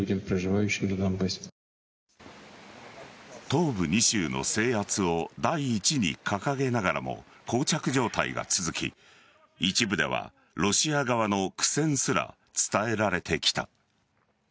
東部２州の制圧を第一に掲げながらも膠着状態が続き一部では、ロシア側の苦戦すら伝えられてきた。